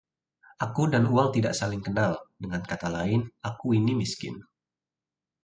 Aku dan uang tidak saling kenal. Dengan kata lain, aku ini miskin.